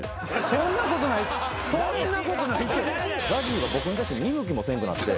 そんなことないって。